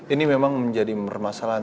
ini memang menjadi bermasalahan